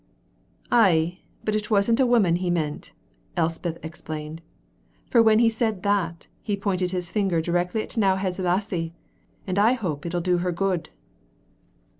'" "Ay, but it wasna a' women he meant," Elspeth explained, "for when he said that, he pointed his finger direct at T'nowhead's lassie, and I hope it'll do her good."